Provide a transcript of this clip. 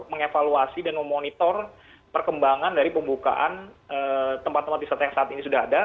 mengevaluasi dan memonitor perkembangan dari pembukaan tempat tempat wisata yang saat ini sudah ada